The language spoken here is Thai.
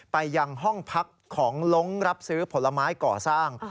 ไปยังห้องพักของลงรับซื้อผลไม้ก่อสร้าง